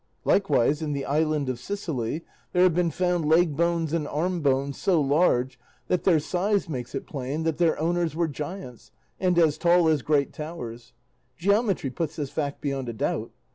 Likewise, in the island of Sicily, there have been found leg bones and arm bones so large that their size makes it plain that their owners were giants, and as tall as great towers; geometry puts this fact beyond a doubt.